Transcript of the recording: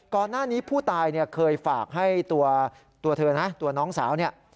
ก่อนหน้านี้ผู้ตายเนี่ยเคยฝากให้ตัวเธอนะตัวน้องสาวเนี่ย